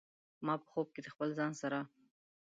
ما په خوب کې د خپل ځان سره